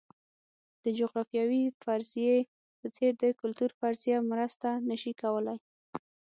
د جغرافیوي فرضیې په څېر د کلتور فرضیه مرسته نه شي کولای.